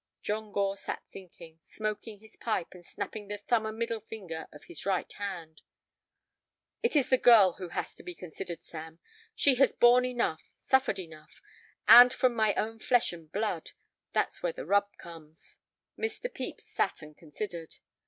John Gore sat thinking, smoking his pipe, and snapping the thumb and middle finger of his right hand. "It is the girl who has to be considered, Sam. She has borne enough, suffered enough, and from my own flesh and blood; that's where the rub comes." Mr. Pepys sat and considered.